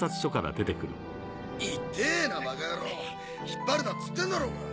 引っ張るなっつってんだろうが！